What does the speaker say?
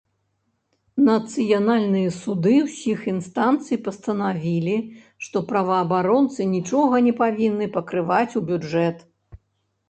Нацыянальныя суды ўсіх інстанцый пастанавілі, што праваабаронцы нічога не павінны пакрываць ў бюджэт.